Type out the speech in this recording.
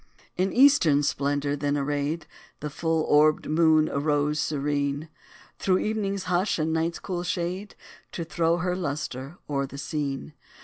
In eastern splendor, then arrayed, The full orbed moon arose serene, Through evening's hush and night's cool shade To throw her lustre o'er the scene.